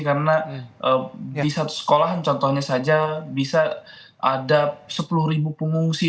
karena di satu sekolah contohnya saja bisa ada sepuluh pengungsi